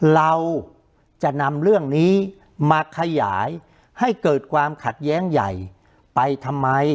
เราจะนำเรื่องนี้มาขยายให้เกิดความขัดแย้งใหญ่ไปทำไม